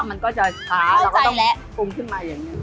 มันก็จะช้าเราก็ต้องปรุงขึ้นมาอย่างนี้